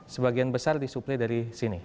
sebagian besar disuplai dari sini